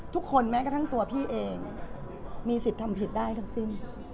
แม้กระทั่งตัวพี่เองมีสิทธิ์ทำผิดได้ทั้งสิ้น